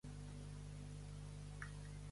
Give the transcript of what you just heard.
Frank H. Buck".